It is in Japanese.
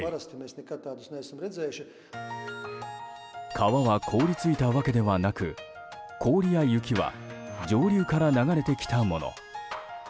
川は凍り付いたわけではなく氷や雪は上流から流れてきたもの。